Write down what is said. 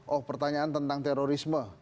oh pertanyaan tentang terorisme